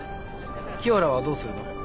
清良はどうするの？